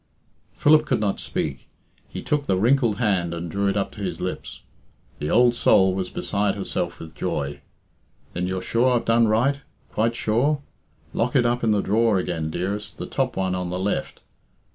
Philip could not speak. He took the wrinkled hand and drew it up to his lips. The old soul was beside herself with joy. "Then you're sure I've done right? Quite sure? Lock it up in the drawer again, dearest The top one on the left.